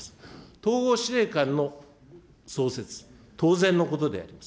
統合司令官の創設、当然のことであります。